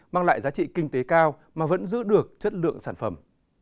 mang lại giá trị kinh tế cao mà vẫn giữ được chất lượng sản phẩm